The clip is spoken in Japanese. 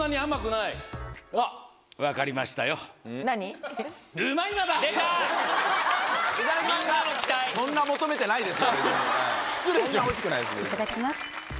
いただきます。